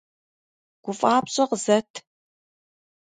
ГуфӀапщӀэ къызэт!